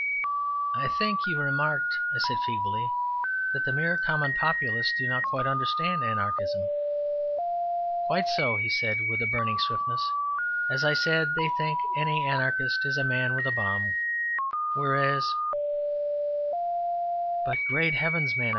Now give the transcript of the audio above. "I think you remarked," I said feebly, "that the mere common populace do not quite understand Anarchism" "Quite so," he said with burning swiftness; "as I said, they think any Anarchist is a man with a bomb, whereas " "But great heavens, man!"